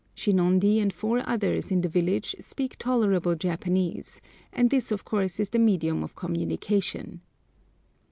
Shinondi and four others in the village speak tolerable Japanese, and this of course is the medium of communication.